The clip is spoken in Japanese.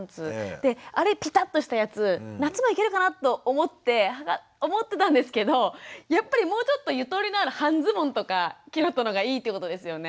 であれピタッとしたやつ夏もいけるかなと思ってたんですけどやっぱりもうちょっとゆとりのある半ズボンとかキュロットの方がいいってことですよね。